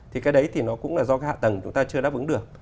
thì cái đấy thì nó cũng là do cái hạ tầng chúng ta chưa đáp ứng được